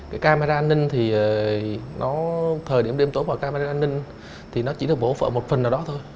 cái camera an ninh thì nó thời điểm đêm tối qua camera an ninh thì nó chỉ được bổ phận một phần nào đó thôi